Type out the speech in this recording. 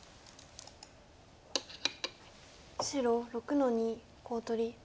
白６の二コウ取り。